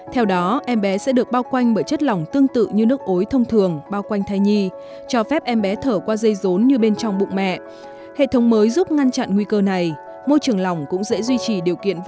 theo đó em bé sẽ được bao quanh bởi chất lỏng tương tự như nước ối thông thường bao quanh thai nhi cho phép em bé thở qua dây rốn như bên trong bụng mẹ